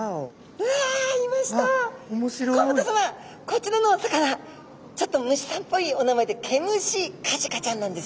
こちらのお魚ちょっと虫さんっぽいお名前でケムシカジカちゃんなんです。